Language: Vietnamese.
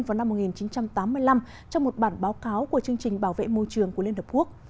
vào năm một nghìn chín trăm tám mươi năm trong một bản báo cáo của chương trình bảo vệ môi trường của liên hợp quốc